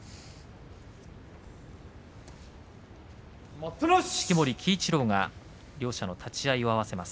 まわしをたたく音式守鬼一郎が両者の立ち合いを合わせます。